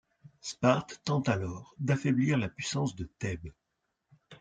Sparte tente alors d'affaiblir la puissance de Thèbes.